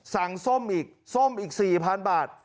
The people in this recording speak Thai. ส้มอีกส้มอีก๔๐๐๐บาท